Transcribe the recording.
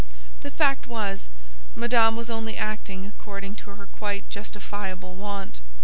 The fact was, Madame was only acting according to her quite justifiable wont.